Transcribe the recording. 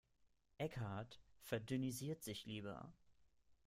Eckhart verdünnisiert sich lieber.